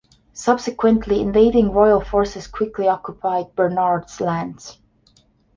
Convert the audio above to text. Subsequently invading royal forces quickly occupied Bernard's lands.